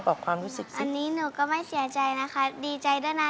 บอกความรู้สึกอันนี้หนูก็ไม่เสียใจนะคะดีใจด้วยนะ